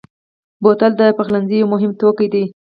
بوتل د پخلنځي یو مهم توکی دی.